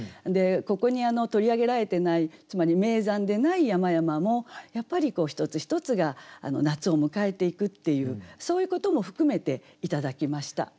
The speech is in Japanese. ここに取り上げられてないつまり名山でない山々もやっぱり一つ一つが夏を迎えていくっていうそういうことも含めて頂きました。